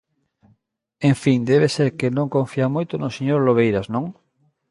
En fin, debe de ser que non confía moito no señor Lobeiras, ¿non?